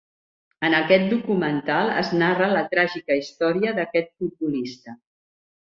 En aquest documental es narra la tràgica històrica d'aquest futbolista.